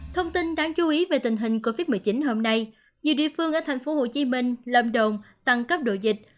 thông tin đáng chú ý về tình hình covid một mươi chín hôm nay nhiều địa phương ở tp hcm lâm đồng tăng cấp độ dịch